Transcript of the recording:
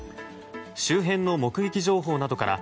周辺の目撃情報などから